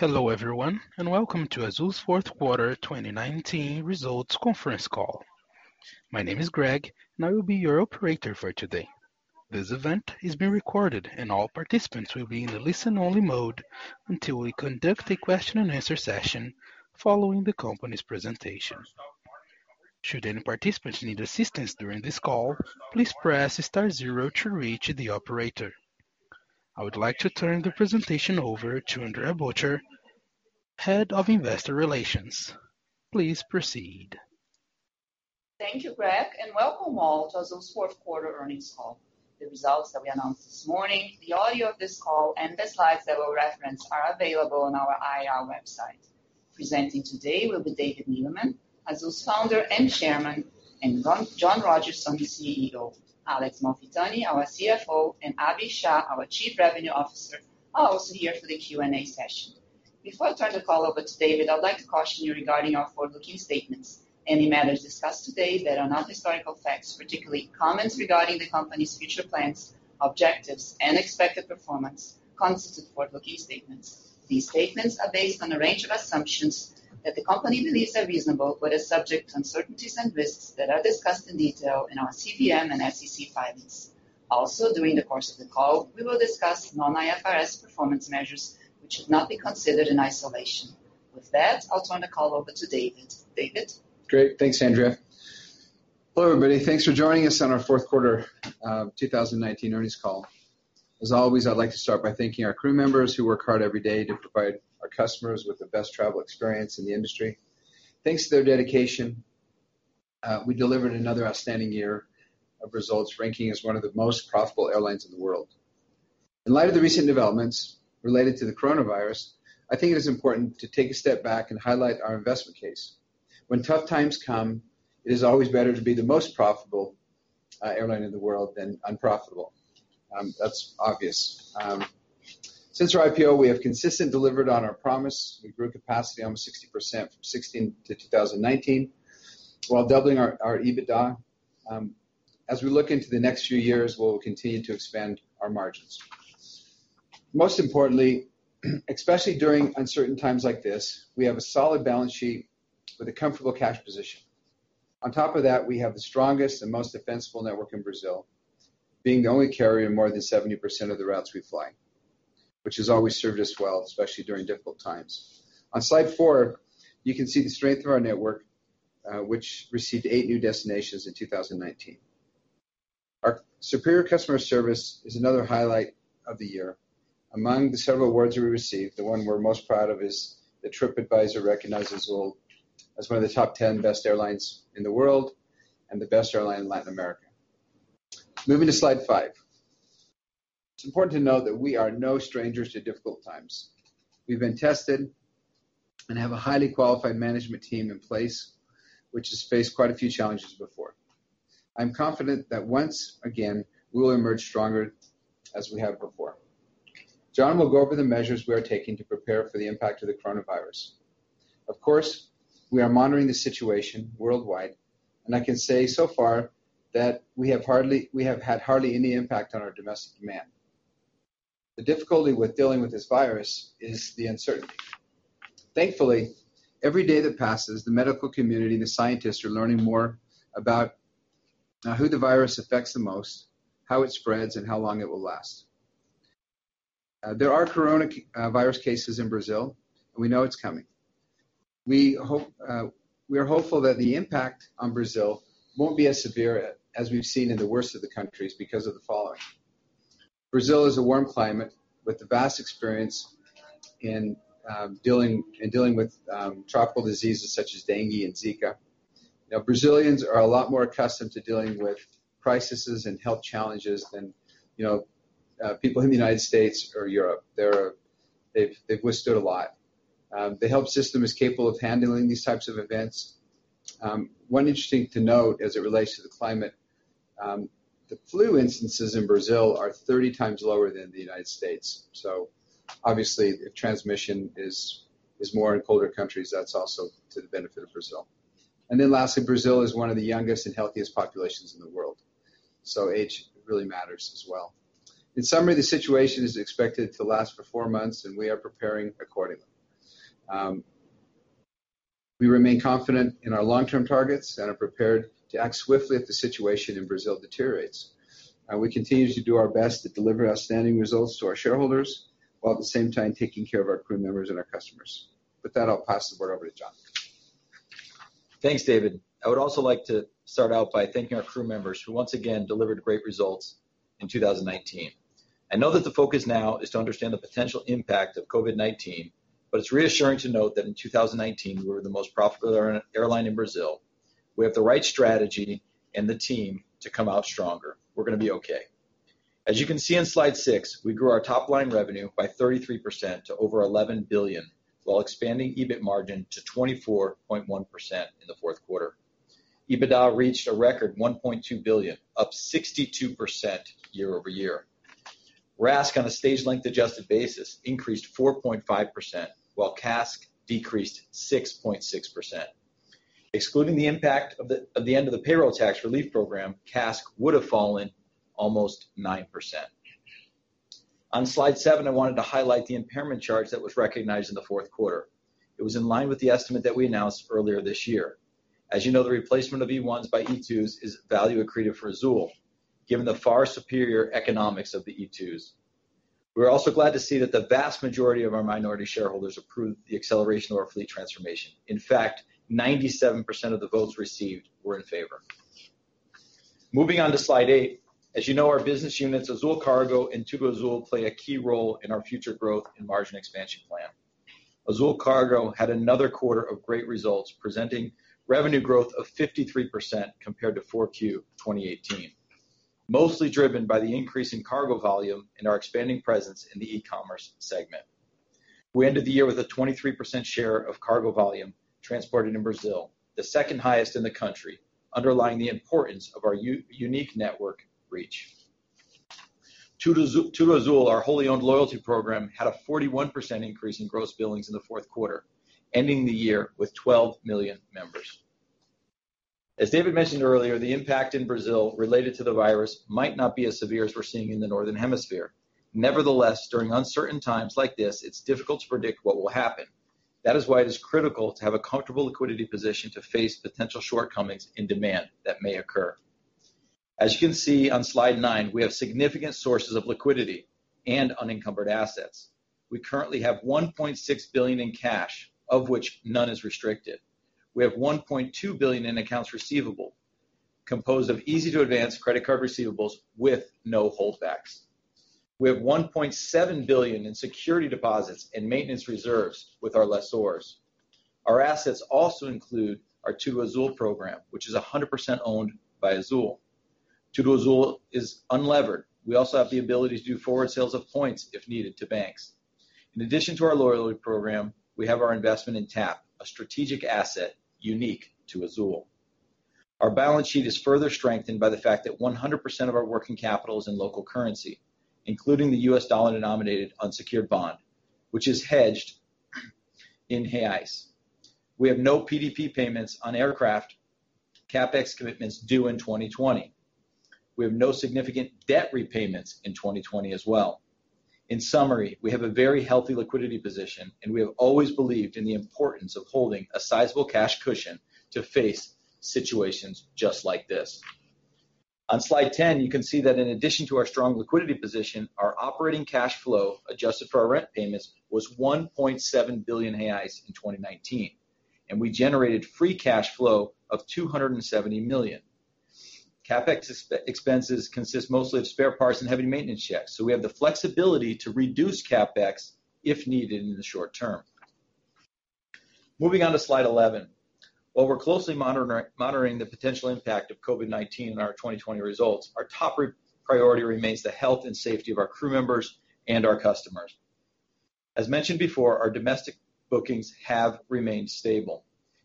Hello, everyone, and welcome to Azul's fourth quarter 2019 results conference call. My name is Greg, and I will be your operator for today. This event is being recorded, and all participants will be in listen-only mode until we conduct a question and answer session following the company's presentation. Should any participants need assistance during this call, please press star zero to reach the operator. I would like to turn the presentation over to Andrea Böttcher, Head of Investor Relations. Please proceed. Thank you, Greg, and welcome all to Azul's fourth quarter earnings call. The results that we announced this morning, the audio of this call, and the slides that we'll reference are available on our IR website. Presenting today will be David Neeleman, Azul's Founder and Chairman, and John Rodgerson, the CEO. Alex Malfitani, our CFO, and Abhi Shah, our Chief Revenue Officer, are also here for the Q&A session. Before I turn the call over to David, I'd like to caution you regarding our forward-looking statements. Any matters discussed today that are not historical facts, particularly comments regarding the company's future plans, objectives, and expected performance constitute forward-looking statements. These statements are based on a range of assumptions that the company believes are reasonable but are subject to uncertainties and risks that are discussed in detail in our CVM and SEC filings. Also, during the course of the call, we will discuss non-IFRS performance measures, which should not be considered in isolation. With that, I will turn the call over to David. David? Great. Thanks, Andrea. Hello, everybody. Thanks for joining us on our fourth quarter 2019 earnings call. As always, I'd like to start by thanking our crew members who work hard every day to provide our customers with the best travel experience in the industry. Thanks to their dedication, we delivered another outstanding year of results, ranking as one of the most profitable airlines in the world. In light of the recent developments related to the coronavirus, I think it is important to take a step back and highlight our investment case. When tough times come, it is always better to be the most profitable airline in the world than unprofitable. That's obvious. Since our IPO, we have consistently delivered on our promise. We grew capacity almost 60% from 2016-2019 while doubling our EBITDA. As we look into the next few years, we will continue to expand our margins. Most importantly, especially during uncertain times like this, we have a solid balance sheet with a comfortable cash position. On top of that, we have the strongest and most defensible network in Brazil, being the only carrier in more than 70% of the routes we fly, which has always served us well, especially during difficult times. On slide four, you can see the strength of our network, which received eight new destinations in 2019. Our superior customer service is another highlight of the year. Among the several awards we received, the one we're most proud of is that TripAdvisor recognized Azul as one of the top 10 best airlines in the world and the best airline in Latin America. Moving to slide five. It's important to note that we are no strangers to difficult times. We've been tested and have a highly qualified management team in place, which has faced quite a few challenges before. I'm confident that once again, we will emerge stronger as we have before. John will go over the measures we are taking to prepare for the impact of the coronavirus. Of course, we are monitoring the situation worldwide, and I can say so far that we have had hardly any impact on our domestic demand. The difficulty with dealing with this virus is the uncertainty. Thankfully, every day that passes, the medical community and the scientists are learning more about who the virus affects the most, how it spreads, and how long it will last. There are coronavirus cases in Brazil, and we know it's coming. We are hopeful that the impact on Brazil won't be as severe as we've seen in the worst of the countries because of the following. Brazil is a warm climate with a vast experience in dealing with tropical diseases such as dengue and Zika. Brazilians are a lot more accustomed to dealing with crises and health challenges than people in the U.S. or Europe. They've withstood a lot. The health system is capable of handling these types of events. One interesting to note as it relates to the climate, the flu instances in Brazil are 30 times lower than the U.S. Obviously, transmission is more in colder countries. That's also to the benefit of Brazil. Lastly, Brazil is one of the youngest and healthiest populations in the world. Age really matters as well. In summary, the situation is expected to last for four months, and we are preparing accordingly. We remain confident in our long-term targets and are prepared to act swiftly if the situation in Brazil deteriorates. We continue to do our best to deliver outstanding results to our shareholders, while at the same time taking care of our crew members and our customers. With that, I'll pass the board over to John. Thanks, David. I would also like to start out by thanking our crew members, who once again delivered great results in 2019. I know that the focus now is to understand the potential impact of COVID-19. It's reassuring to note that in 2019, we were the most profitable airline in Brazil. We have the right strategy and the team to come out stronger. We're going to be okay. As you can see on slide six, we grew our top-line revenue by 33% to over 11 billion while expanding EBIT margin to 24.1% in the fourth quarter. EBITDA reached a record 1.2 billion, up 62% year-over-year. RASK on a stage length adjusted basis increased 4.5%, while CASK decreased 6.6%. Excluding the impact of the end of the payroll tax relief program, CASK would've fallen almost 9%. On slide seven, I wanted to highlight the impairment charge that was recognized in the fourth quarter. It was in line with the estimate that we announced earlier this year. As you know, the replacement of E1s by E2s is value accretive for Azul, given the far superior economics of the E2s. We're also glad to see that the vast majority of our minority shareholders approved the acceleration of our fleet transformation. In fact, 97% of the votes received were in favor. Moving on to slide eight. As you know, our business units, Azul Cargo and TudoAzul, play a key role in our future growth and margin expansion plan. Azul Cargo had another quarter of great results, presenting revenue growth of 53% compared to Q4 2018, mostly driven by the increase in cargo volume and our expanding presence in the e-commerce segment. We ended the year with a 23% share of cargo volume transported in Brazil, the second highest in the country, underlying the importance of our unique network reach. TudoAzul, our wholly owned loyalty program, had a 41% increase in gross billings in the fourth quarter, ending the year with 12 million members. As David mentioned earlier, the impact in Brazil related to the virus might not be as severe as we're seeing in the Northern Hemisphere. Nevertheless, during uncertain times like this, it's difficult to predict what will happen. That is why it is critical to have a comfortable liquidity position to face potential shortcomings in demand that may occur. As you can see on slide nine, we have significant sources of liquidity and unencumbered assets. We currently have 1.6 billion in cash, of which none is restricted. We have 1.2 billion in accounts receivable, composed of easy-to-advance credit card receivables with no holdbacks. We have 1.7 billion in security deposits and maintenance reserves with our lessors. Our assets also include our TudoAzul program, which is 100% owned by Azul. TudoAzul is unlevered. We also have the ability to do forward sales of points, if needed, to banks. In addition to our loyalty program, we have our investment in TAP, a strategic asset unique to Azul. Our balance sheet is further strengthened by the fact that 100% of our working capital is in local currency, including the US dollar-denominated unsecured bond, which is hedged in Reais. We have no PDP payments on aircraft CapEx commitments due in 2020. We have no significant debt repayments in 2020 as well. In summary, we have a very healthy liquidity position, and we have always believed in the importance of holding a sizable cash cushion to face situations just like this. On slide 10, you can see that in addition to our strong liquidity position, our operating cash flow, adjusted for our rent payments, was 1.7 billion reais in 2019, and we generated free cash flow of 270 million. CapEx expenses consist mostly of spare parts and heavy maintenance checks, so we have the flexibility to reduce CapEx if needed in the short term. Moving on to slide 11. While we're closely monitoring the potential impact of COVID-19 on our 2020 results, our top priority remains the health and safety of our crew members and our customers. As mentioned before, our domestic bookings have remained stable.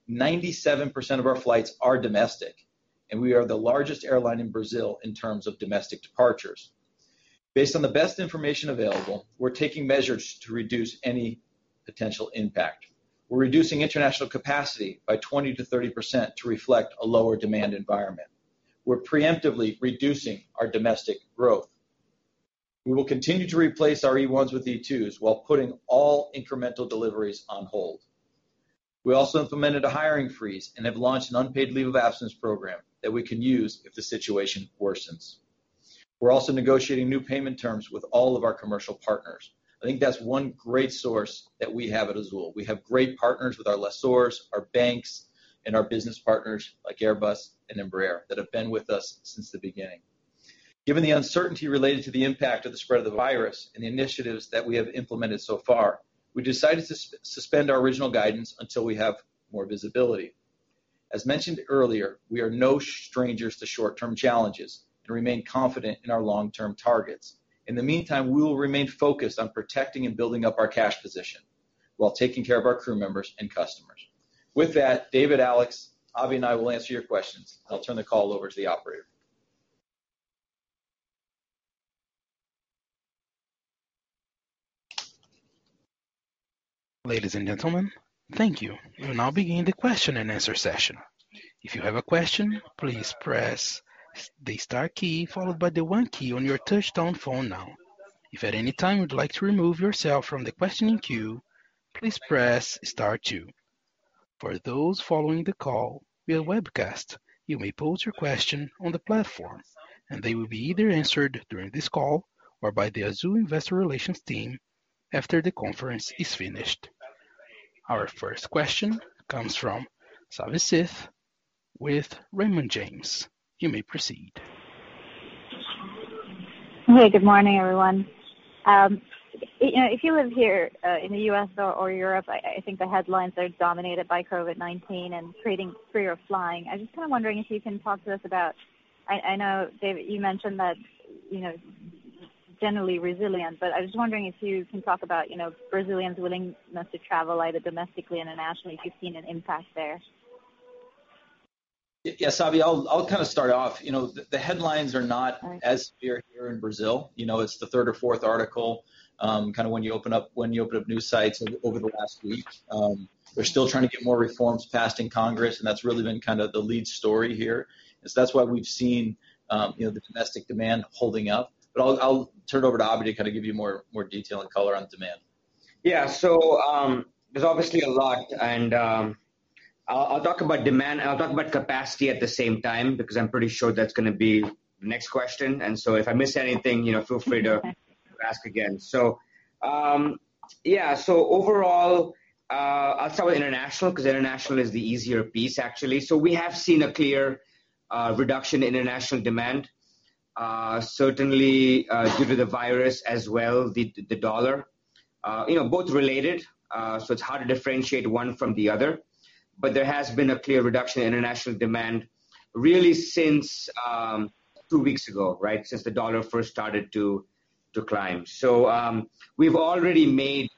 97% of our flights are domestic, and we are the largest airline in Brazil in terms of domestic departures. Based on the best information available, we're taking measures to reduce any potential impact. We're reducing international capacity by 20%-30% to reflect a lower demand environment. We're preemptively reducing our domestic growth. We will continue to replace our E1s with E2s while putting all incremental deliveries on hold. We also implemented a hiring freeze and have launched an unpaid leave of absence program that we can use if the situation worsens. We're also negotiating new payment terms with all of our commercial partners. I think that's one great source that we have at Azul. We have great partners with our lessors, our banks, and our business partners like Airbus and Embraer that have been with us since the beginning. Given the uncertainty related to the impact of the spread of the virus and the initiatives that we have implemented so far, we decided to suspend our original guidance until we have more visibility. As mentioned earlier, we are no strangers to short-term challenges and remain confident in our long-term targets. In the meantime, we will remain focused on protecting and building up our cash position while taking care of our crew members and customers. With that, David, Alex, Abhi, and I will answer your questions. I'll turn the call over to the operator. Ladies and gentlemen, thank you. We'll now begin the question and answer session. If you have a question, please press the star key followed by the one key on your touchtone phone now. If at any time you'd like to remove yourself from the questioning queue, please press star two. For those following the call via webcast, you may pose your question on the platform, and they will be either answered during this call or by the Azul investor relations team after the conference is finished. Our first question comes from Savi Syth with Raymond James. You may proceed. Hey, good morning, everyone. If you live here, in the U.S. or Europe, I think the headlines are dominated by COVID-19 and creating fear of flying. I'm just kind of wondering if you can talk to us about, I know, David, you mentioned that generally resilient, but I was just wondering if you can talk about Brazilians' willingness to travel, either domestically, internationally, if you've seen an impact there. Yeah, Savi, I'll start off. The headlines are not as severe here in Brazil. It's the third or fourth article, kind of when you open up news sites over the last week. They're still trying to get more reforms passed in Congress, and that's really been kind of the lead story here. That's why we've seen the domestic demand holding up. I'll turn it over to Abhi to kind of give you more detail and color on demand. There's obviously a lot, and I'll talk about demand, and I'll talk about capacity at the same time because I'm pretty sure that's going to be the next question. If I miss anything, feel free to ask again. Overall, I'll start with international because international is the easier piece, actually. We have seen a clear reduction in international demand. Certainly due to the virus as well the dollar. Both related, so it's hard to differentiate one from the other. There has been a clear reduction in international demand really since two weeks ago, right? Since the dollar first started to climb. We've already made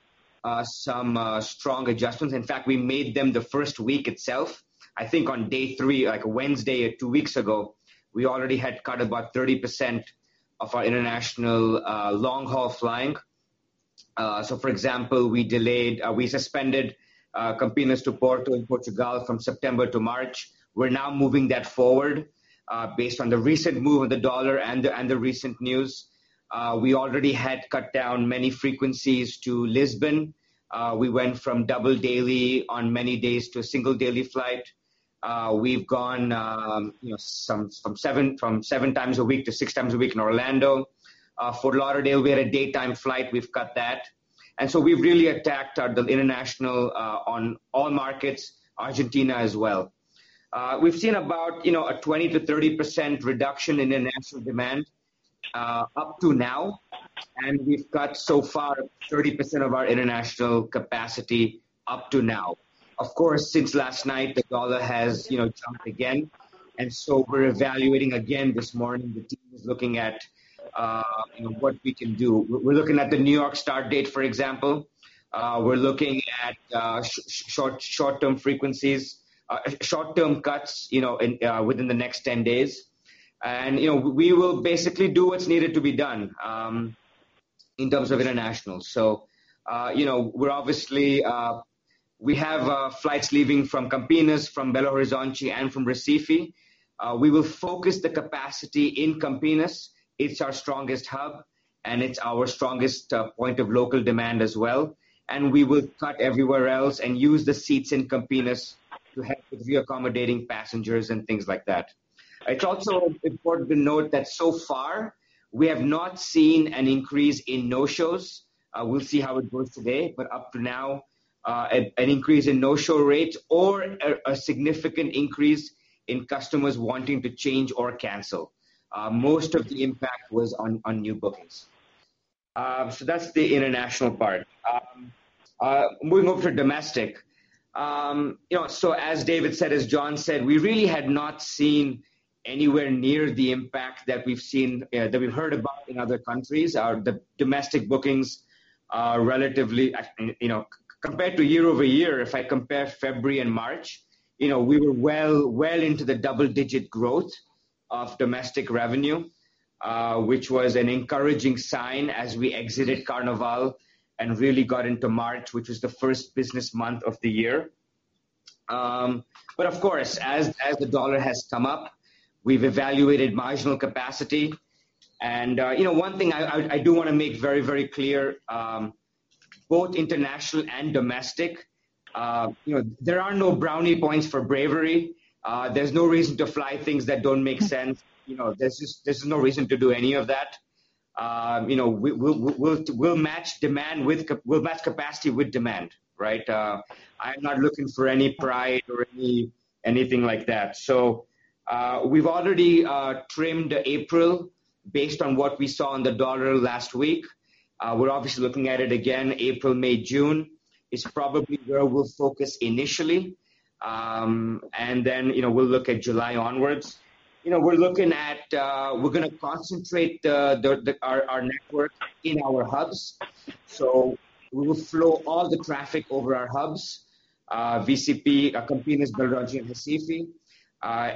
some strong adjustments. In fact, we made them the first week itself. I think on day three, like Wednesday two weeks ago, we already had cut about 30% of our international long-haul flying. For example, we suspended Campinas to Porto in Portugal from September to March. We're now moving that forward based on the recent move of the dollar and the recent news. We already had cut down many frequencies to Lisbon. We went from double daily on many days to a single daily flight. We've gone from seven times a week to six times a week in Orlando. Fort Lauderdale, we had a daytime flight, we've cut that. We've really attacked the international on all markets, Argentina as well. We've seen about a 20%-30% reduction in international demand up to now, and we've cut so far 30% of our international capacity up to now. Of course, since last night, the dollar has jumped again, and so we're evaluating again this morning. The team is looking at what we can do. We're looking at the New York start date, for example. We're looking at short-term cuts within the next 10 days. We will basically do what's needed to be done in terms of international. We have flights leaving from Campinas, from Belo Horizonte, and from Recife. We will focus the capacity in Campinas. It's our strongest hub, and it's our strongest point of local demand as well. We will cut everywhere else and use the seats in Campinas to help with re-accommodating passengers and things like that. It's also important to note that so far we have not seen an increase in no-shows. We'll see how it goes today. Up to now, we have not seen an increase in no-show rates or a significant increase in customers wanting to change or cancel. Most of the impact was on new bookings. That's the international part. Moving over to domestic. As David said, as John said, we really had not seen anywhere near the impact that we've heard about in other countries. Our domestic bookings are relatively, compared to year-over-year, if I compare February and March, we were well into the double-digit growth of domestic revenue, which was an encouraging sign as we exited Carnival and really got into March, which was the first business month of the year. Of course, as the dollar has come up, we've evaluated marginal capacity. One thing I do want to make very clear, both international and domestic, there are no brownie points for bravery. There's no reason to fly things that don't make sense. There's no reason to do any of that. We'll match capacity with demand. Right? I am not looking for any pride or anything like that. We've already trimmed April based on what we saw on the dollar last week. We're obviously looking at it again, April, May, June is probably where we'll focus initially. We'll look at July onwards. We're going to concentrate our network in our hubs. We will flow all the traffic over our hubs, VCP, Campinas, Belo Horizonte, and Recife.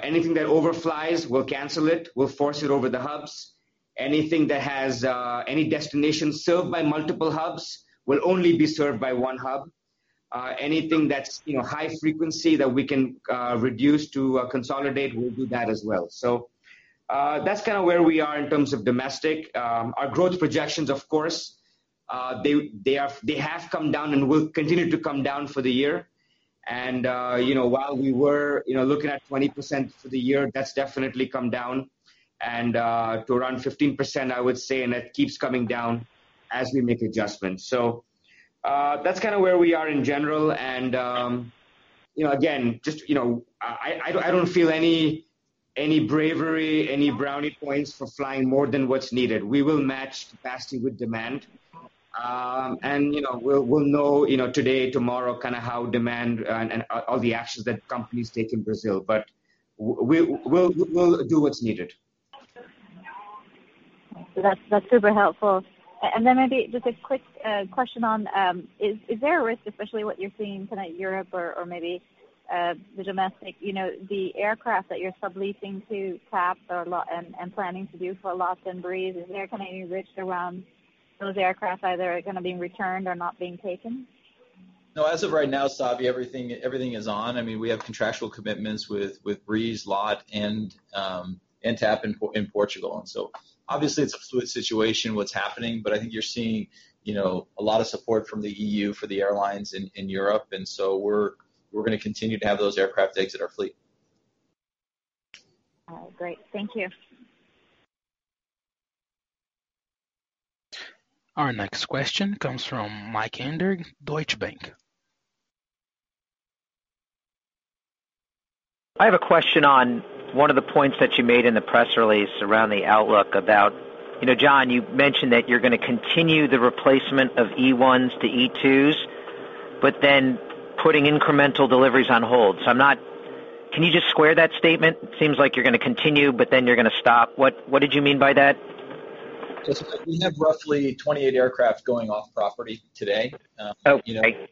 Anything that overflies, we'll cancel it. We'll force it over the hubs. Anything that has any destinations served by multiple hubs will only be served by one hub. Anything that's high frequency that we can reduce to consolidate, we'll do that as well. That's kind of where we are in terms of domestic. Our growth projections, of course, they have come down and will continue to come down for the year. While we were looking at 20% for the year, that's definitely come down to around 15%, I would say, and it keeps coming down as we make adjustments. That's kind of where we are in general. Again, I don't feel any bravery, any brownie points for flying more than what's needed. We will match capacity with demand. We'll know today, tomorrow, kind of how demand and all the actions that companies take in Brazil, but we'll do what's needed. That's super helpful. Maybe just a quick question on, is there a risk, especially what you're seeing tonight, Europe or maybe the domestic, the aircraft that you're subleasing to TAP and planning to do for LAT and Breeze, is there any risk around those aircraft either kind of being returned or not being taken? No, as of right now, Savi, everything is on. We have contractual commitments with Breeze, LAT, and TAP in Portugal. Obviously it's a fluid situation, what's happening, but I think you're seeing a lot of support from the EU for the airlines in Europe, and so we're going to continue to have those aircraft exit our fleet. All right, great. Thank you. Our next question comes from Mike uncertain, Deutsche Bank. I have a question on one of the points that you made in the press release around the outlook about, John, you mentioned that you're going to continue the replacement of E1s to E2s, but then putting incremental deliveries on hold. Can you just square that statement? It seems like you're going to continue, but then you're going to stop. What did you mean by that? We have roughly 28 aircraft going off property today. Oh, right.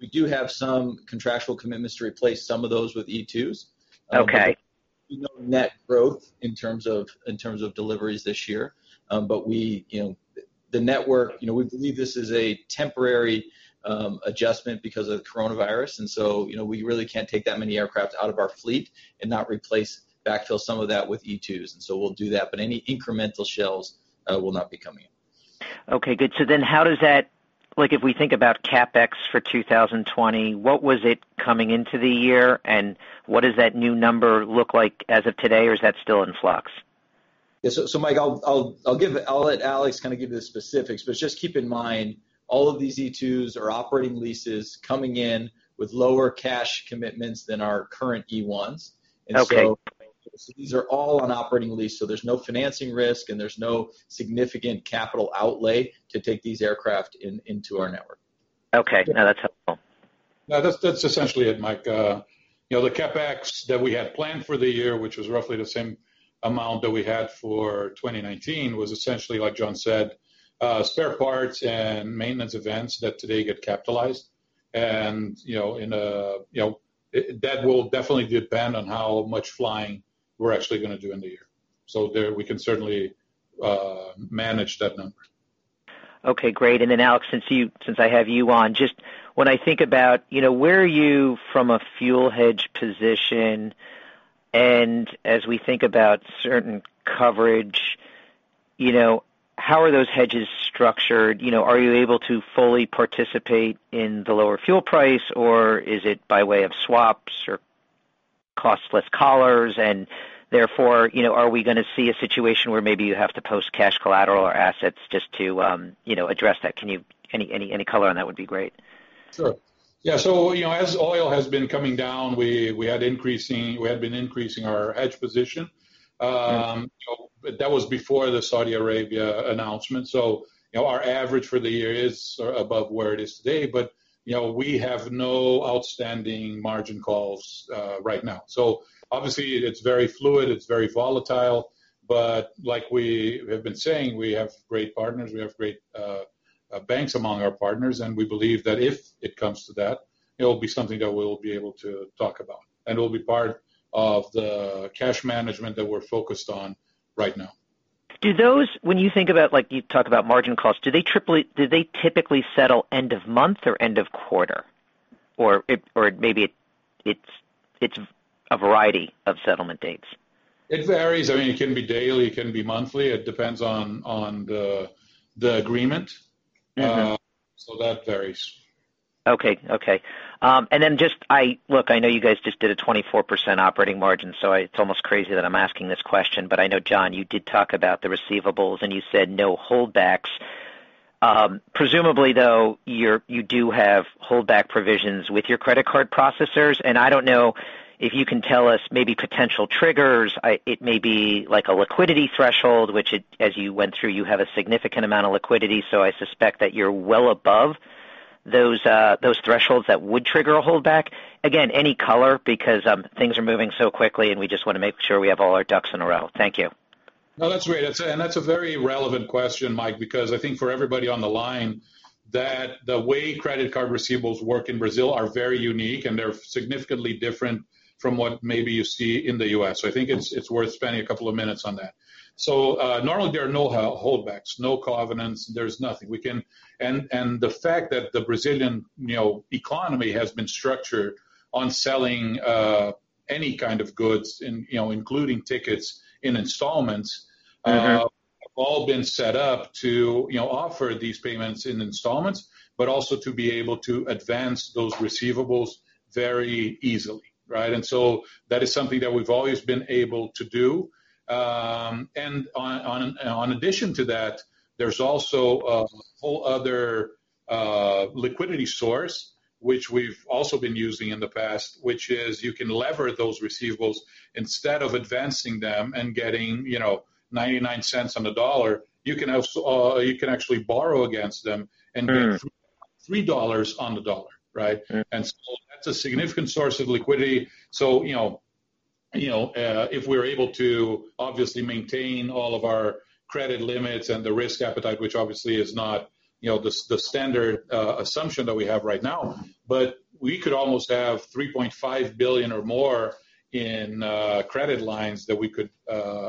We do have some contractual commitments to replace some of those with E2s. Okay. No net growth in terms of deliveries this year. The network, we believe this is a temporary adjustment because of the coronavirus. We really can't take that many aircraft out of our fleet and not backfill some of that with E2s. We'll do that, but any incremental shells will not be coming in. Okay, good. If we think about CapEx for 2020, what was it coming into the year, and what does that new number look like as of today, or is that still in flux? Yeah. Mike, I'll let Alex kind of give you the specifics, but just keep in mind, all of these E2s are operating leases coming in with lower cash commitments than our current E1s. Okay. These are all on operating lease, so there's no financing risk and there's no significant CapEx outlay to take these aircraft into our network. Okay. That's helpful. No, that's essentially it, Mike. The CapEx that we had planned for the year, which was roughly the same amount that we had for 2019, was essentially, like John said, spare parts and maintenance events that today get capitalized. That will definitely depend on how much flying we're actually going to do in the year. There, we can certainly manage that number. Okay, great. Then Alex, since I have you on, just when I think about where are you from a fuel hedge position, and as we think about certain coverage, how are those hedges structured? Are you able to fully participate in the lower fuel price, or is it by way of swaps or costless collars, and therefore, are we going to see a situation where maybe you have to post cash collateral or assets just to address that? Any color on that would be great. Sure. Yeah. As oil has been coming down, we had been increasing our hedge position. That was before the Saudi Arabia announcement. Our average for the year is above where it is today, but we have no outstanding margin calls right now. Obviously it's very fluid, it's very volatile, but like we have been saying, we have great partners, we have great banks among our partners, and we believe that if it comes to that, it'll be something that we'll be able to talk about. It'll be part of the cash management that we're focused on right now. When you think about, like you talk about margin calls, do they typically settle end of month or end of quarter? Or maybe it's a variety of settlement dates. It varies. It can be daily, it can be monthly. It depends on the agreement. So that varies. Okay. Look, I know you guys just did a 24% operating margin, so it's almost crazy that I'm asking this question, but I know, John, you did talk about the receivables, and you said no holdbacks. Presumably though, you do have holdback provisions with your credit card processors, and I don't know if you can tell us maybe potential triggers. It may be like a liquidity threshold, which as you went through, you have a significant amount of liquidity, so I suspect that you're well above those thresholds that would trigger a holdback. Again, any color, because things are moving so quickly, and we just want to make sure we have all our ducks in a row. Thank you. No, that's great. That's a very relevant question, Mike, because I think for everybody on the line, that the way credit card receivables work in Brazil are very unique, and they're significantly different from what maybe you see in the U.S. I think it's worth spending a couple of minutes on that. Normally there are no holdbacks, no covenants, there's nothing. The fact that the Brazilian economy has been structured on selling any kind of goods including tickets in installments have all been set up to offer these payments in installments, but also to be able to advance those receivables very easily, right? That is something that we've always been able to do. On addition to that, there's also a whole other liquidity source, which we've also been using in the past, which is you can lever those receivables instead of advancing them and getting $0.99 on the dollar, you can actually borrow against them. BRL 3 on the dollar, right? Okay. That's a significant source of liquidity. If we're able to obviously maintain all of our credit limits and the risk appetite, which obviously is not the standard assumption that we have right now, but we could almost have 3.5 billion or more in credit lines that we could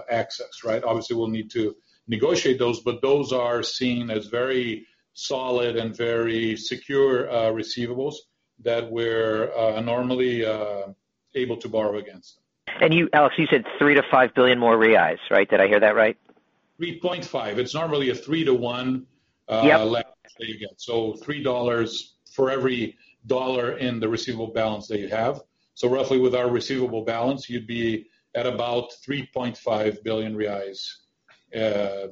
access, right? We'll need to negotiate those, but those are seen as very solid and very secure receivables that we're normally able to borrow against. Alex, you said 3 billion-5 billion reais more, right? Did I hear that right? 3.5. It's normally a three to one- Yep leverage that you get. BRL 3 for every BRL in the receivable balance that you have. Roughly with our receivable balance, you'd be at about 3.5 billion reais, as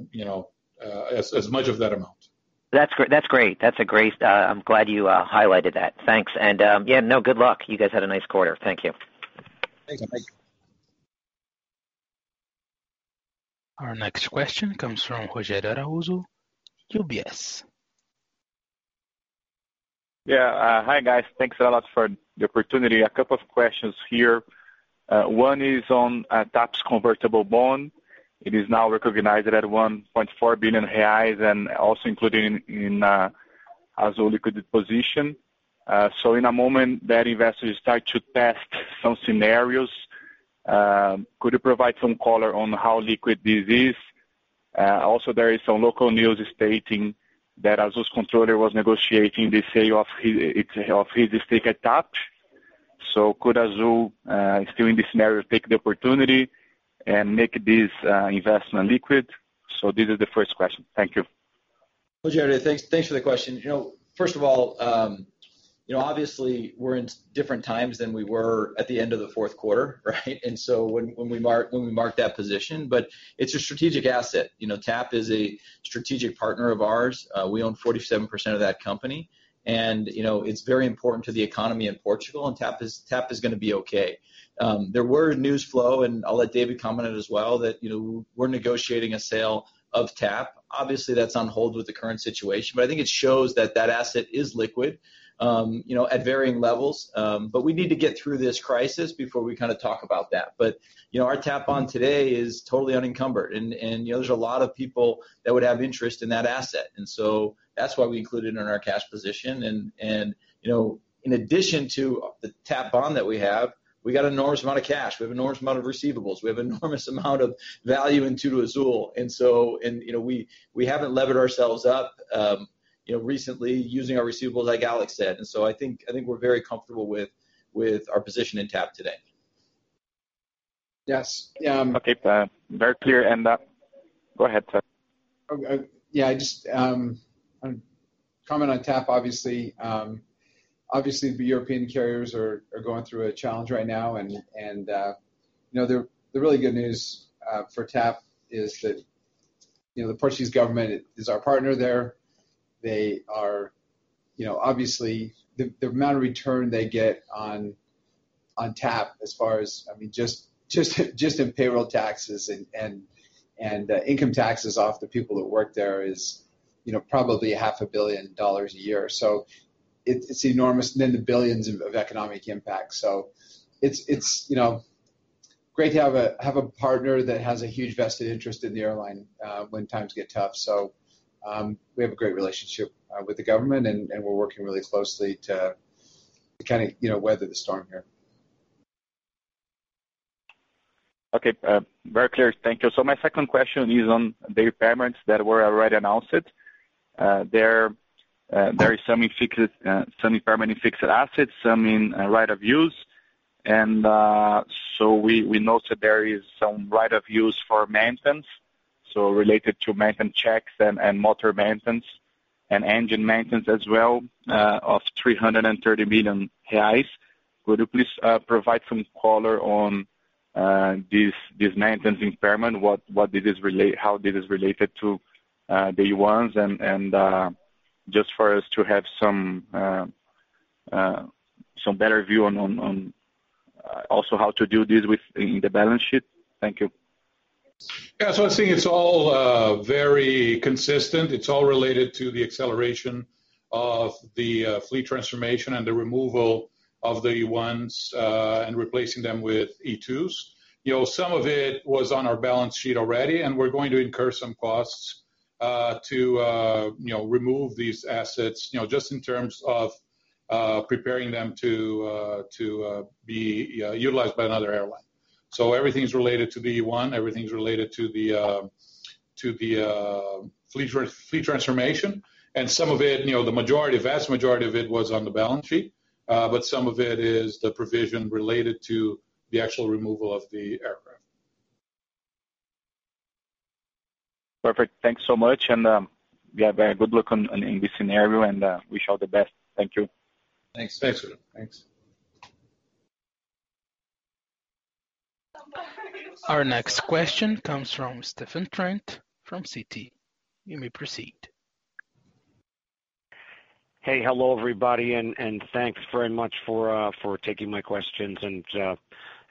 much of that amount. That's great. I'm glad you highlighted that. Thanks. Yeah, no, good luck. You guys had a nice quarter. Thank you. Our next question comes from Rogério Araújo, UBS. Yeah. Hi, guys. Thanks a lot for the opportunity. A couple of questions here. One is on TAP's convertible bond. It is now recognized at 1.4 billion reais and also included in Azul liquid position. In a moment that investors start to test some scenarios, could you provide some color on how liquid this is? Also, there is some local news stating that Azul's controller was negotiating the sale of his stake at TAP. Could Azul, still in this scenario, take the opportunity and make this investment liquid? This is the first question. Thank you. Rogério, thanks for the question. First of all, obviously we're in different times than we were at the end of the fourth quarter, right? So when we marked that position. It's a strategic asset. TAP is a strategic partner of ours. We own 47% of that company, and it's very important to the economy in Portugal, and TAP is going to be okay. There were news flow, and I'll let David comment on it as well, that we're negotiating a sale of TAP. Obviously, that's on hold with the current situation, but I think it shows that that asset is liquid at varying levels. We need to get through this crisis before we talk about that. Our TAP bond today is totally unencumbered, and there's a lot of people that would have interest in that asset. That's why we include it in our cash position. In addition to the TAP bond that we have, we got an enormous amount of cash. We have an enormous amount of receivables. We have an enormous amount of value in TudoAzul. We haven't levered ourselves up recently using our receivables, like Alex said. I think we're very comfortable with our position in TAP today. Yes. Okay. Very clear. Go ahead. I just comment on TAP, obviously the European carriers are going through a challenge right now, the really good news for TAP is that the Portuguese government is our partner there. The amount of return they get on TAP as far as, just in payroll taxes and income taxes off the people that work there is probably $0.5 billion a year. It's enormous and in the billions of economic impact. It's great to have a partner that has a huge vested interest in the airline when times get tough. We have a great relationship with the government, we're working really closely to weather the storm here. Okay. Very clear. Thank you. My second question is on the impairments that were already announced. There is some impairment in fixed assets, some in right of use. We note that there is some right of use for maintenance, related to maintenance checks and motor maintenance and engine maintenance as well, of 330 million reais. Could you please provide some color on this maintenance impairment? How this is related to the ones, just for us to have some better view on also how to do this within the balance sheet. Thank you. Yeah. I'd say it's all very consistent. It's all related to the acceleration of the fleet transformation and the removal of the E1s, and replacing them with E2s. Some of it was on our balance sheet already, and we're going to incur some costs to remove these assets just in terms of preparing them to be utilized by another airline. Everything's related to the E1, everything's related to the fleet transformation. Some of it, the vast majority of it was on the balance sheet. Some of it is the provision related to the actual removal of the aircraft. Perfect. Thanks so much, and yeah, very good luck in this scenario, and wish all the best. Thank you. Thanks. Our next question comes from Stephen Trent from Citi. You may proceed. Hey. Hello, everybody, and thanks very much for taking my questions.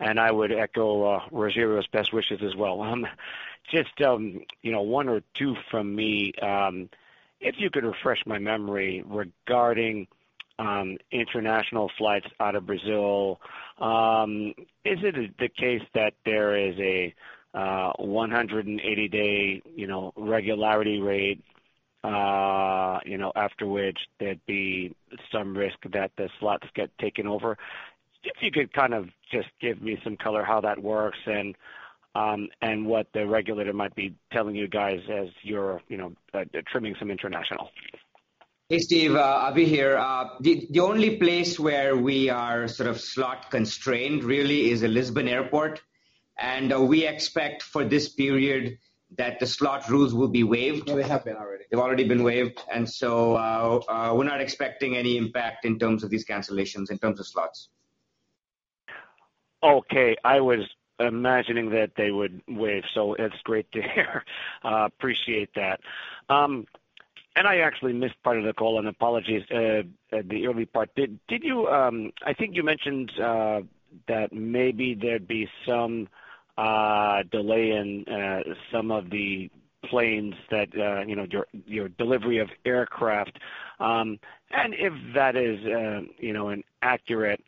I would echo Rogério's best wishes as well. Just one or two from me. If you could refresh my memory regarding international flights out of Brazil, is it the case that there is a 180-day regularity rate after which there'd be some risk that the slots get taken over? If you could kind of just give me some color how that works and what the regulator might be telling you guys as you're trimming some international. Hey, Steve. Abhi here. The only place where we are sort of slot constrained really is the Lisbon Airport. We expect for this period that the slot rules will be waived. No, they have been already. They've already been waived, and so we're not expecting any impact in terms of these cancellations in terms of slots. Okay. I was imagining that they would waive, so it's great to hear. Appreciate that. I actually missed part of the call, and apologies, the early part. I think you mentioned that maybe there'd be some delay in some of the planes, your delivery of aircraft. If that is inaccurate,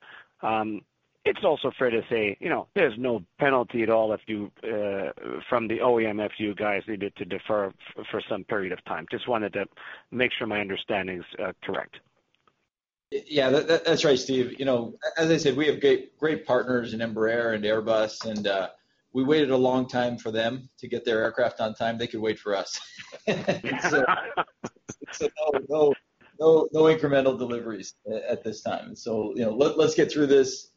it's also fair to say there's no penalty at all from the OEM if you guys needed to defer for some period of time. Just wanted to make sure my understanding's correct. Yeah. That's right, Steve. As I said, we have great partners in Embraer and Airbus. We waited a long time for them to get their aircraft on time. They can wait for us. No incremental deliveries at this time. Let's get through this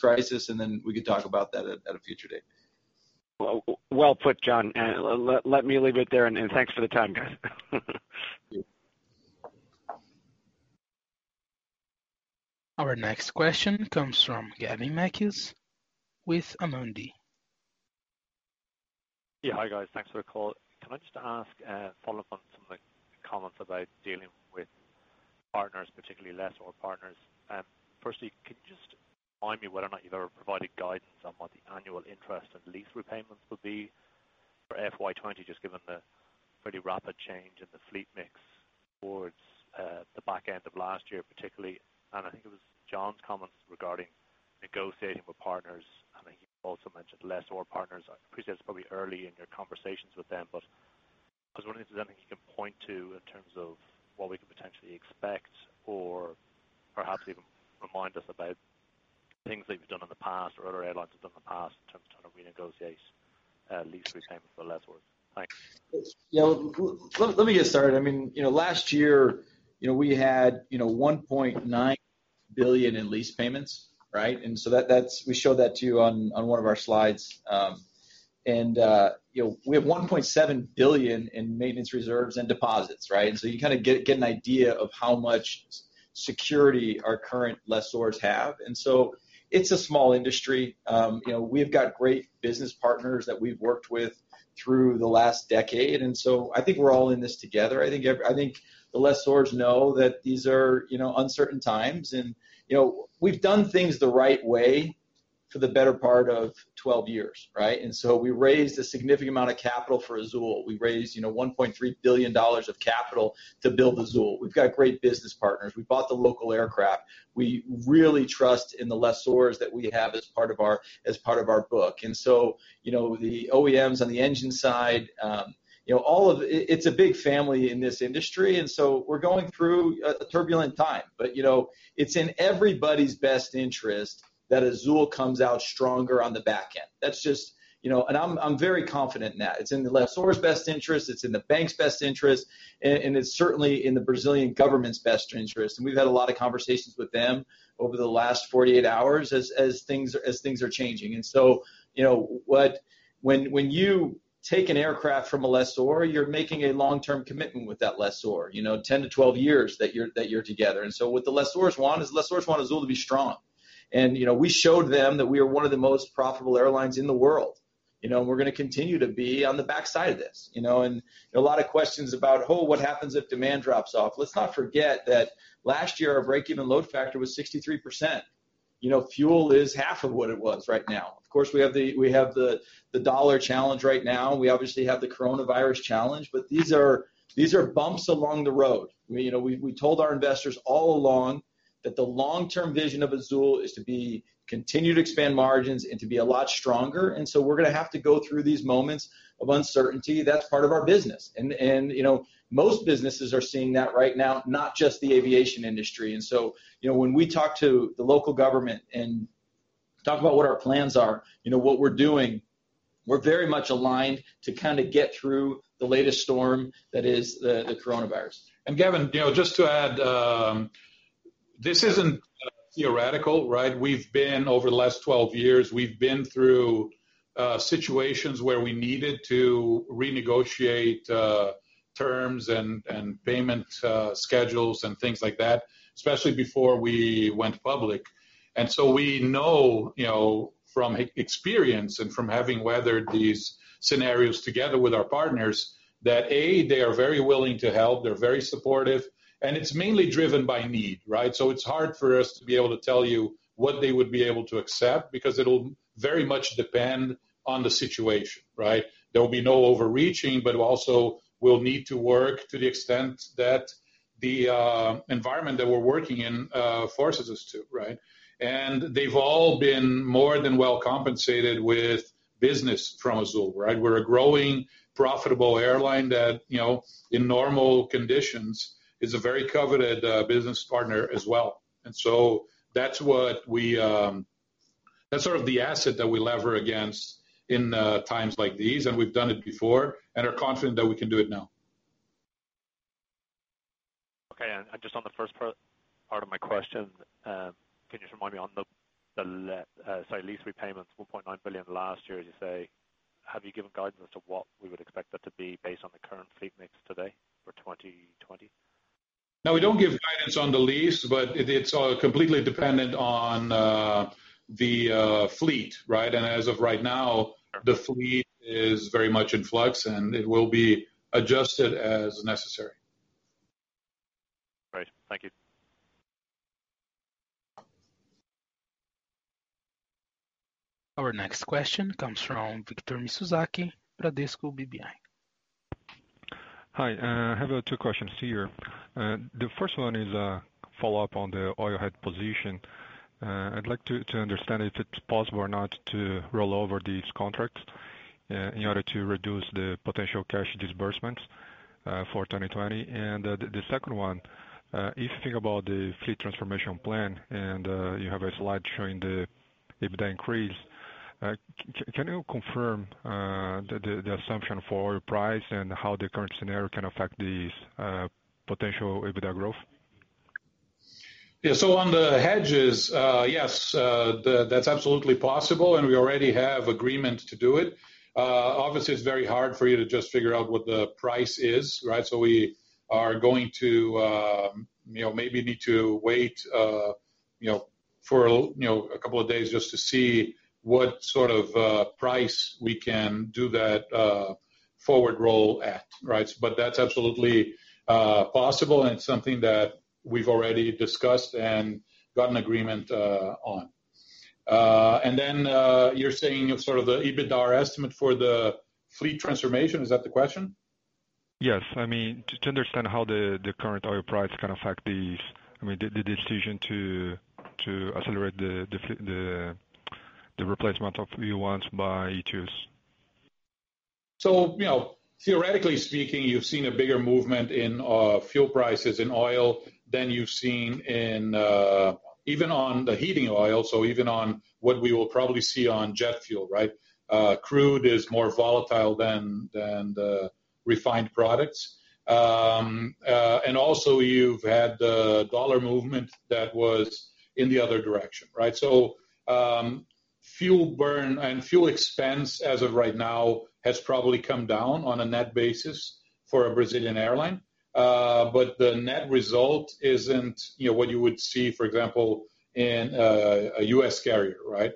crisis, then we can talk about that at a future date. Well put, John. Let me leave it there, and thanks for the time, guys. Our next question comes from Gavin uncertain with Amundi. Yeah. Hi, guys. Thanks for the call. Can I just ask a follow-up on some of the comments about dealing with partners, particularly lessor partners. Firstly, could you just remind me whether or not you've ever provided guidance on what the annual interest and lease repayments would be for FY 2020, just given the pretty rapid change in the fleet mix towards the back end of last year, particularly. I think it was John's comments regarding negotiating with partners, and I think you also mentioned lessor partners. I appreciate it's probably early in your conversations with them, but I was wondering if there's anything you can point to in terms of what we can potentially expect or perhaps even remind us about things that you've done in the past or other airlines have done in the past in terms of trying to renegotiate lease repayments for lessor. Thanks. Yeah. Let me get started. Last year, we had 1.9 billion in lease payments, right? We showed that to you on one of our slides. We have 1.7 billion in maintenance reserves and deposits, right? You kind of get an idea of how much security our current lessors have. It's a small industry. We've got great business partners that we've worked with through the last decade, and so I think we're all in this together. I think the lessors know that these are uncertain times, and we've done things the right way for the better part of 12 years, right? We raised a significant amount of capital for Azul. We raised BRL 1.3 billion of capital to build Azul. We've got great business partners. We bought the local aircraft. We really trust in the lessors that we have as part of our book. The OEMs on the engine side, it's a big family in this industry, we're going through a turbulent time. It's in everybody's best interest that Azul comes out stronger on the back end. I'm very confident in that. It's in the lessor's best interest, it's in the bank's best interest, and it's certainly in the Brazilian government's best interest. We've had a lot of conversations with them over the last 48 hours as things are changing. When you take an aircraft from a lessor, you're making a long-term commitment with that lessor, 10-12 years that you're together. With the lessors want Azul to be strong. We showed them that we are one of the most profitable airlines in the world. We're going to continue to be on the backside of this. A lot of questions about, Oh, what happens if demand drops off? Let's not forget that last year, our break-even load factor was 63%. Fuel is half of what it was right now. Of course, we have the dollar challenge right now. We obviously have the coronavirus challenge. These are bumps along the road. We told our investors all along that the long-term vision of Azul is to continue to expand margins and to be a lot stronger, and so we're going to have to go through these moments of uncertainty. That's part of our business. Most businesses are seeing that right now, not just the aviation industry. When we talk to the local government and talk about what our plans are, what we're doing, we're very much aligned to kind of get through the latest storm that is the Coronavirus. Gavin, just to add, this isn't theoretical, right? Over the last 12 years, we've been through situations where we needed to renegotiate. Terms and payment schedules and things like that, especially before we went public. We know from experience and from having weathered these scenarios together with our partners, that, A, they are very willing to help, they're very supportive, and it's mainly driven by need, right? It's hard for us to be able to tell you what they would be able to accept because it'll very much depend on the situation, right? There will be no overreaching, but also we'll need to work to the extent that the environment that we're working in forces us to, right? They've all been more than well compensated with business from Azul, right? We're a growing profitable airline that, in normal conditions, is a very coveted business partner as well. That's sort of the asset that we lever against in times like these, and we've done it before, and are confident that we can do it now. Okay. Just on the first part of my question, can you just remind me on the lease repayments, 1.9 billion last year, as you say, have you given guidance as to what we would expect that to be based on the current fleet mix today for 2020? No, we don't give guidance on the lease, but it's completely dependent on the fleet, right? Right The fleet is very much in flux, and it will be adjusted as necessary. Great. Thank you. Our next question comes from Victor Mizusaki, Bradesco BBI. Hi. I have two questions here. The first one is a follow-up on the oil hedge position. I'd like to understand if it's possible or not to roll over these contracts in order to reduce the potential cash disbursements for 2020. The second one, if you think about the fleet transformation plan, and you have a slide showing the EBITDA increase, can you confirm the assumption for oil price and how the current scenario can affect these potential EBITDA growth? On the hedges, yes, that's absolutely possible and we already have agreement to do it. It's very hard for you to just figure out what the price is, right? We are going to maybe need to wait for a couple of days just to see what sort of price we can do that forward roll at, right? That's absolutely possible and it's something that we've already discussed and got an agreement on. Then you're saying sort of the EBITDA estimate for the fleet transformation, is that the question? Yes. To understand how the current oil price can affect the decision to accelerate the replacement of E1s by E2s. Theoretically speaking, you've seen a bigger movement in fuel prices in oil than you've seen even on the heating oil, even on what we will probably see on jet fuel, right? Crude is more volatile than the refined products. Also you've had the dollar movement that was in the other direction, right? Fuel burn and fuel expense as of right now has probably come down on a net basis for a Brazilian airline. The net result isn't what you would see, for example, in a U.S. carrier, right?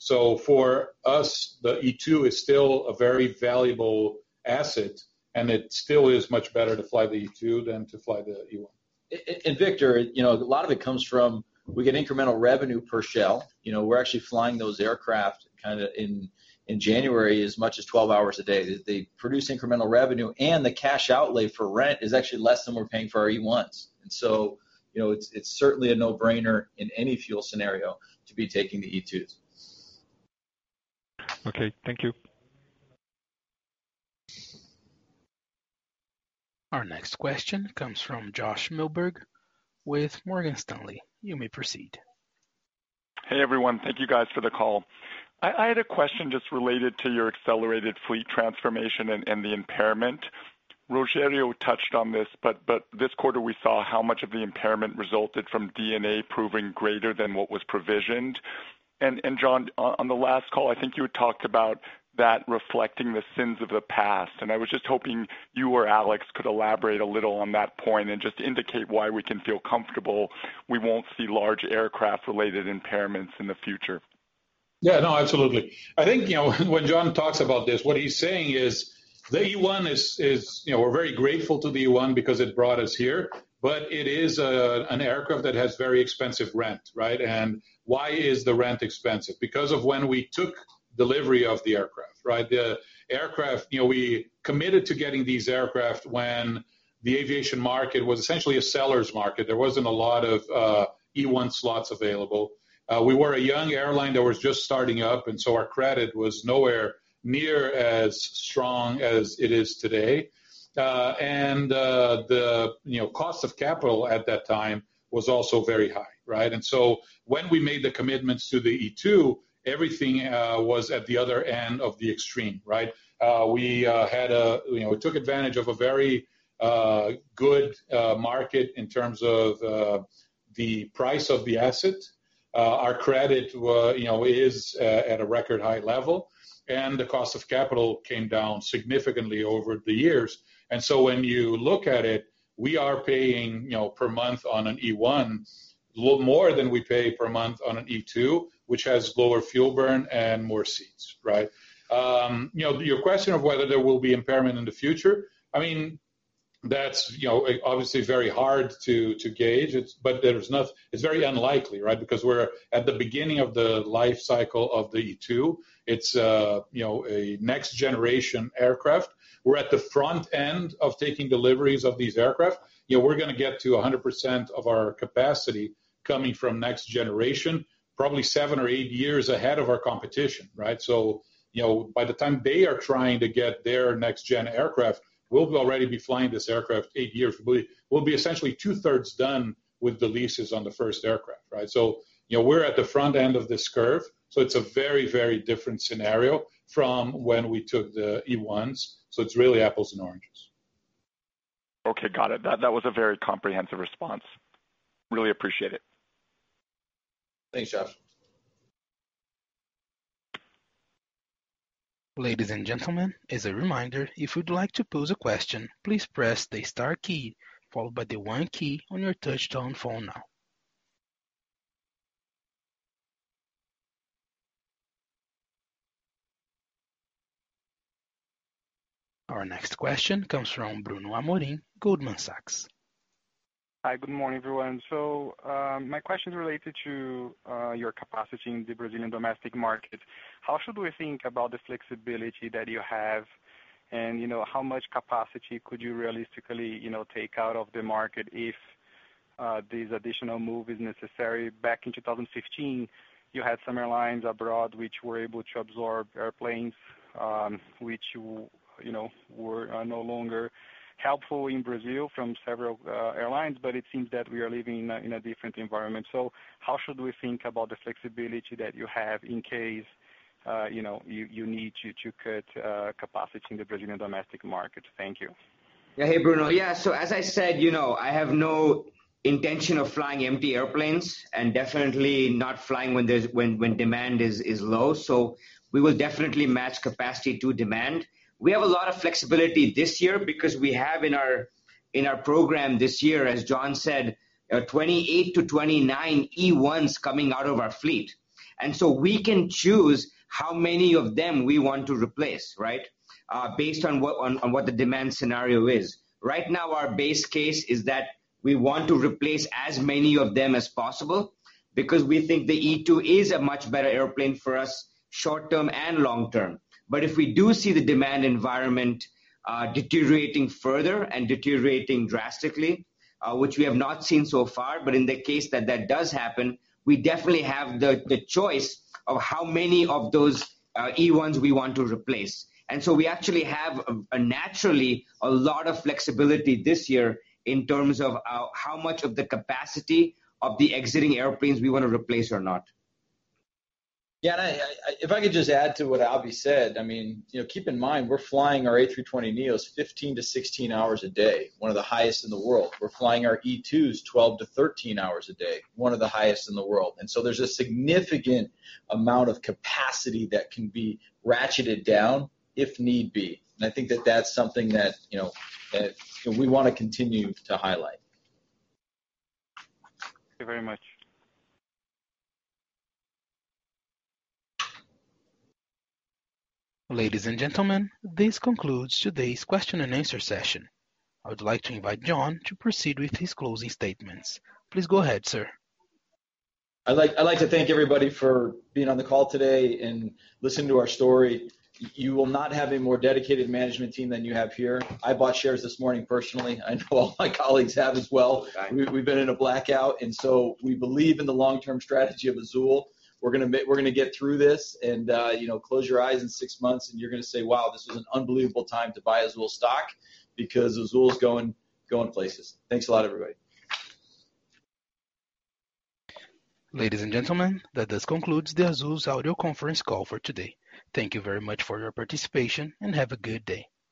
For us, the E2 is still a very valuable asset, and it still is much better to fly the E2 than to fly the E1. Victor, a lot of it comes from, we get incremental revenue per shell. We're actually flying those aircraft kind of in January as much as 12 hours a day. They produce incremental revenue, and the cash outlay for rent is actually less than we're paying for our E1s. It's certainly a no-brainer in any fuel scenario to be taking the E2s. Okay. Thank you. Our next question comes from Josh Milberg with Morgan Stanley. You may proceed. Hey, everyone. Thank you guys for the call. I had a question just related to your accelerated fleet transformation and the impairment. Rogério touched on this, but this quarter we saw how much of the impairment resulted from D&A proving greater than what was provisioned. John, on the last call, I think you had talked about that reflecting the sins of the past, and I was just hoping you or Alex could elaborate a little on that point and just indicate why we can feel comfortable we won't see large aircraft-related impairments in the future. Yeah, no, absolutely. I think when John talks about this, what he's saying is we're very grateful to the E1 because it brought us here, but it is an aircraft that has very expensive rent, right? Why is the rent expensive? Because of when we took delivery of the aircraft, right? We committed to getting these aircraft when the aviation market was essentially a seller's market. There wasn't a lot of E1 slots available. We were a young airline that was just starting up, our credit was nowhere near as strong as it is today. The cost of capital at that time was also very high, right? When we made the commitments to the E2, everything was at the other end of the extreme, right? We took advantage of a very good market in terms of the price of the asset. Our credit is at a record high level, the cost of capital came down significantly over the years. When you look at it, we are paying per month on an E1 a little more than we pay per month on an E2, which has lower fuel burn and more seats, right? Your question of whether there will be impairment in the future, that's obviously very hard to gauge, but it's very unlikely, right? Because we're at the beginning of the life cycle of the E2. It's a next generation aircraft. We're at the front end of taking deliveries of these aircraft. We're going to get to 100% of our capacity coming from next generation, probably seven or eight years ahead of our competition, right? By the time they are trying to get their next gen aircraft, we'll already be flying this aircraft eight years. We'll be essentially two-thirds done with the leases on the first aircraft, right? We're at the front end of this curve, it's a very, very different scenario from when we took the E1s. It's really apples and oranges. Okay. Got it. That was a very comprehensive response. Really appreciate it. Thanks, Josh. Ladies and gentlemen, as a reminder, if you'd like to pose a question, please press the star key followed by the one key on your touch-tone phone now. Our next question comes from Bruno Amorim, Goldman Sachs. Hi. Good morning, everyone. My question is related to your capacity in the Brazilian domestic market. How should we think about the flexibility that you have, and how much capacity could you realistically take out of the market if this additional move is necessary? Back in 2015, you had some airlines abroad which were able to absorb airplanes, which were no longer helpful in Brazil from several airlines, but it seems that we are living in a different environment. How should we think about the flexibility that you have in case you need to cut capacity in the Brazilian domestic market? Thank you. Hey, Bruno. As I said, I have no intention of flying empty airplanes and definitely not flying when demand is low. We will definitely match capacity to demand. We have a lot of flexibility this year because we have in our program this year, as John said, 28-29 E1s coming out of our fleet. We can choose how many of them we want to replace, right? Based on what the demand scenario is. Right now, our base case is that we want to replace as many of them as possible because we think the E2 is a much better airplane for us short term and long term. If we do see the demand environment deteriorating further and deteriorating drastically, which we have not seen so far, but in the case that that does happen, we definitely have the choice of how many of those E1s we want to replace. We actually have, naturally, a lot of flexibility this year in terms of how much of the capacity of the exiting airplanes we want to replace or not. Yeah, if I could just add to what Abhi said. Keep in mind, we're flying our A320neos 15 to 16 hours a day, one of the highest in the world. We're flying our E2s 12-13 hours a day, one of the highest in the world. There's a significant amount of capacity that can be ratcheted down if need be. I think that that's something that we want to continue to highlight. Thank you very much. Ladies and gentlemen, this concludes today's question and answer session. I would like to invite John to proceed with his closing statements. Please go ahead, sir. I'd like to thank everybody for being on the call today and listening to our story. You will not have a more dedicated management team than you have here. I bought shares this morning personally. I know all my colleagues have as well. We've been in a blackout, and so we believe in the long-term strategy of Azul. We're going to get through this and close your eyes in six months and you're going to say, Wow. This was an unbelievable time to buy Azul stock, because Azul is going places. Thanks a lot, everybody. Ladies and gentlemen, that does conclude the Azul's audio conference call for today. Thank you very much for your participation, and have a good day.